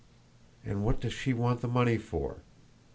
"And what does she want the money for?